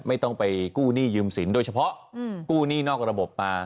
ไม่ต้องไปกู้หนี้ยืมสินโดยเฉพาะกู้หนี้นอกระบบมา